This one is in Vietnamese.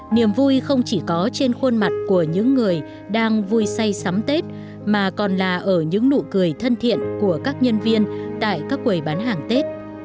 niềm vui không chỉ có trên khuôn mặt của những người đang vui say sắm tết mà còn là ở những nụ cười thân thiện của các nhân viên tại các quầy bán hàng tết